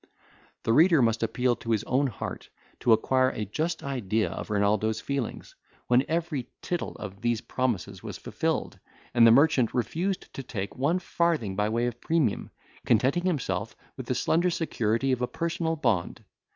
The reader must appeal to his own heart, to acquire a just idea of Renaldo's feelings, when every tittle of these promises was fulfilled, and the merchant refused to take one farthing by way of premium, contenting himself with the slender security of a personal bond.